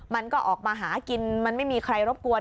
มันก็ออกมาหากินมันไม่มีใครรบกวน